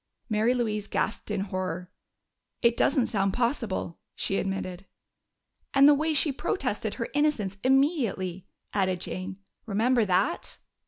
Mary Louise gasped in horror. "It doesn't sound possible," she admitted. "And the way she protested her innocence immediately," added Jane. "Remember that?"